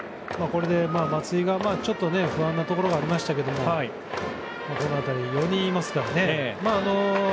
松井にちょっと不安なところがありましたけどこのあと、４人いますからね。